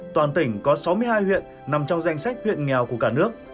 toàn tỉnh có sáu mươi hai huyện nằm trong danh sách huyện nghèo của cả nước